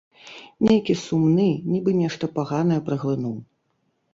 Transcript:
Нейкі сумны, нібы нешта паганае праглынуў.